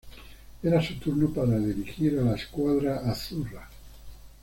Era su turno para dirigir a la "Squadra Azzurra".